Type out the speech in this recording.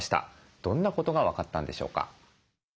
どんなことが分かったんでしょうか？